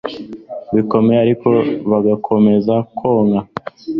bikomeye, ariko bagakomeza konka